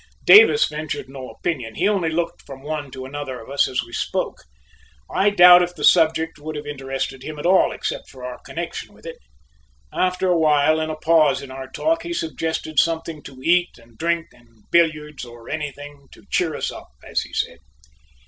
Davis ventured no opinion. He only looked from one to another of us as we spoke. I doubt if the subject would have interested him at all except for our connection with it. After a while, in a pause in our talk he suggested something "to eat and drink and billiards or anything to cheer us up," as he said.